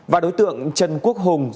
và đối tượng trần quốc hùng